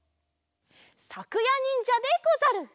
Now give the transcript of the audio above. さくやにんじゃでござる。